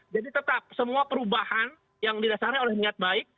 jadi tetap semua perubahan yang didasarnya oleh niat baik